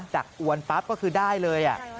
อวนปั๊บก็คือได้เลย